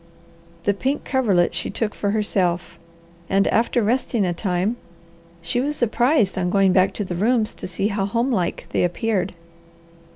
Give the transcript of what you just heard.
The pink coverlet she took for herself, and after resting a time she was surprised on going back to the rooms to see how homelike they appeared.